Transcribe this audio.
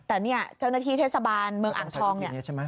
แต่เนี่ยเจ้าหน้าที่เทศบาลเมืองอ่างทองเนี่ยใช่ไหม